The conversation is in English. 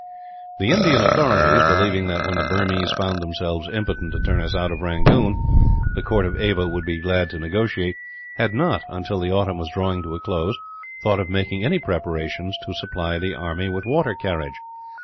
The Indian authorities believing that, when the Burmese found themselves impotent to turn us out of Rangoon, the court of Ava would be glad to negotiate had not, until the autumn was drawing to a close, thought of making any preparations to supply the army with water carriage.